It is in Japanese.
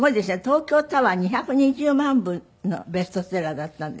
『東京タワー』２２０万部のベストセラーだったんで。